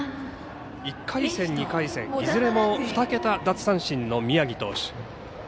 １回戦、２回戦いずれも２桁奪三振の宮城投手。